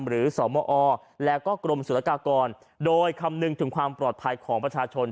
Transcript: สมอแล้วก็กรมศุลกากรโดยคำนึงถึงความปลอดภัยของประชาชน